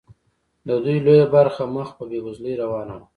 د دوی لویه برخه مخ په بیوزلۍ روانه وه.